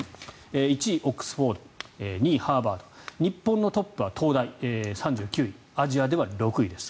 １位、オックスフォード大学２位、ハーバード大学日本のトップは東大３９位アジアでは６位です。